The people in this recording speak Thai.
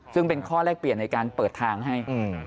ซึ่งเป็นข้อแลกเปลี่ยนในการเปิดทางให้